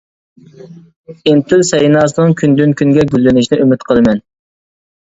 ئىنتىل سەيناسىنىڭ كۈندىن-كۈنگە گۈللىنىشىنى ئۈمىد قىلىمەن!